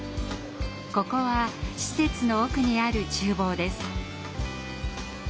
ここは施設の奥にある厨房です。